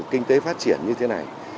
kinh tế phát triển như thế này